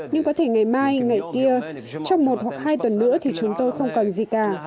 nhưng có thể ngày mai ngày kia trong một hoặc hai tuần nữa thì chúng tôi không còn gì cả